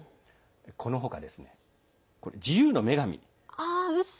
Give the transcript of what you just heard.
この他、自由の女神。